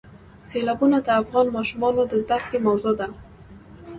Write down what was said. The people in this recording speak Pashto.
سیلابونه د افغان ماشومانو د زده کړې موضوع ده.